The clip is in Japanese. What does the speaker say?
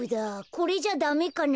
これじゃダメかな？